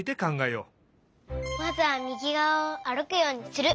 まずはみぎがわをあるくようにする。